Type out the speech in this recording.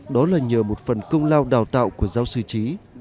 đó là nhờ một phần công lao đào tạo của giáo sư trí